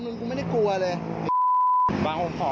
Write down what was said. นี่นะครับดูนะครับ